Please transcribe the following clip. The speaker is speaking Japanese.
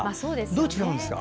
どう違うんですか？